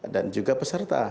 dan juga peserta